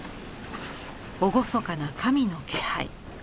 厳かな神の気配。